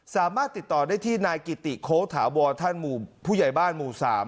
สามารถติดต่อได้ที่นายกิติโค้ถาวรท่านผู้ใหญ่บ้านหมู่๓